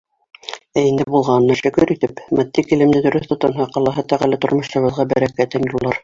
Ә инде булғанына шөкөр итеп, матди килемде дөрөҫ тотонһаҡ, Аллаһ Тәғәлә тормошобоҙға бәрәкәтен юллар.